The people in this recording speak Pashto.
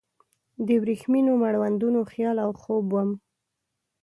د وریښمینو مړوندونو خیال او خوب وم